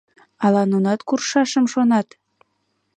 Ала нунат куржшашым шонат?..